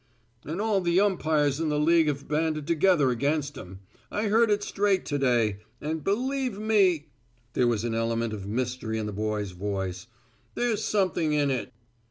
"And all the umpires in the league have banded together against him. I heard it straight to day. And believe me" there was an element of mystery in the boy's voice, "there's something in it."